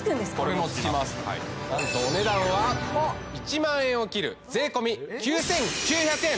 これも付きます何とお値段は１万円を切る税込９９００円